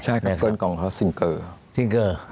ใช่กล่องซิงเกอร์